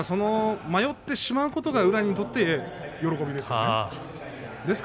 迷ってしまうことが宇良にとって喜びですね。